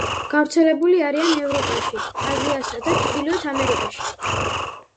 გავრცელებული არიან ევროპაში, აზიასა და ჩრდილოეთ ამერიკაში.